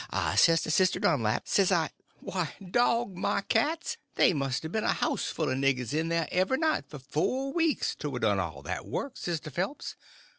I says to Sister Dunlap, s'I—" "Why, dog my cats, they must a ben a house full o' niggers in there every night for four weeks to a done all that work, Sister Phelps.